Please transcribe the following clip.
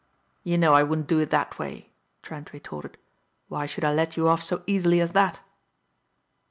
"You know I wouldn't do it that way," Trent retorted. "Why should I let you off so easily as that?"